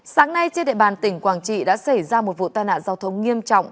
sáng nay trên địa bàn tỉnh quảng trị đã xảy ra một vụ tai nạn giao thông nghiêm trọng